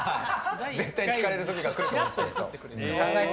絶対聞かれる時が来ると思って。